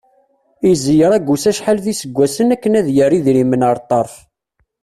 Izeyyeṛ agus acḥal d iseggasen akken ad yerr idrimen ar ṭṭerf.